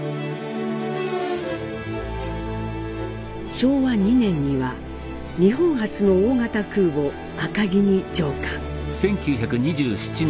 昭和２年には日本初の大型空母「赤城」に乗艦。